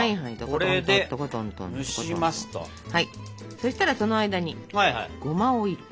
そしたらその間にごまをいります。